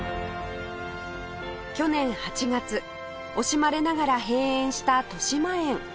去年８月惜しまれながら閉園したとしまえん